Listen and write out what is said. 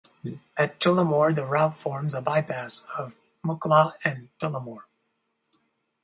At Tullamore the route forms a bypass of Mucklagh and Tullamore.